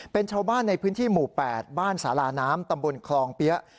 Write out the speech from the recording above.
เป็นชาวบ้านในพื้นที่หมู่๘บ้านสาราน้ำตำบลคลองเปี๊ยะ